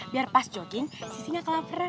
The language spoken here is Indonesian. biar pas jogging sisi gak kelaparan